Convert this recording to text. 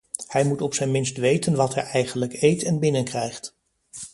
Hij moet op zijn minst weten wat hij eigenlijk eet en binnenkrijgt.